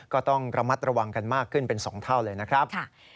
ก็ต้องระมัดระวังกันมากขึ้นเป็น๒เท่าเลยนะครับ